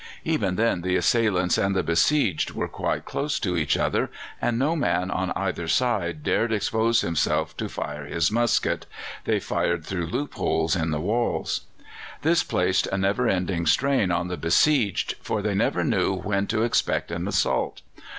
Even then the assailants and the besieged were quite close to each other, and no man on either side dared expose himself to fire his musket: they fired through loopholes in the walls. This placed a never ending strain on the besieged, for they never knew when to expect an assault.